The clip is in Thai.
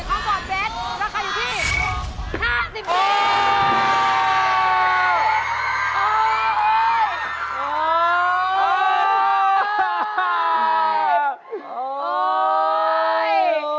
ข้างก่อนเบ๊กราคาอยู่ที่๕๐พิมพ์